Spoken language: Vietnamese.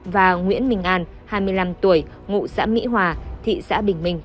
và nguyễn bình an hai mươi năm tuổi ngụ xã mỹ hòa thị xã bình minh